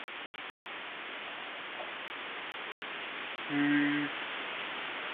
ハリヤーナー州の州都はチャンディーガルである